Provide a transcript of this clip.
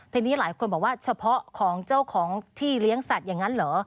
ทีนี้หลายคนบอกว่าเฉพาะของเจ้าของที่เลี้ยงสัตว์อย่างนั้นเหรอ